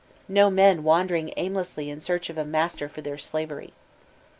00 men wandering aimlessly in search of a master for fbdr slavery.